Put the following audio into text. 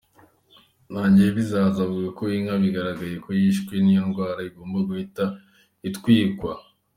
Ntegeyibizaza avuga ko inka bigaragaye ko yishwe n’iyo ndwara, igomba guhita itwikwa.